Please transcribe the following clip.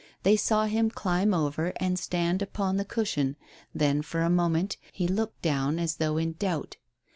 They saw him climb over and stand upon the cushion, then, for a moment, he looked down as though in doubt.